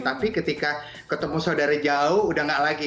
tapi ketika ketemu saudara jauh udah gak lagi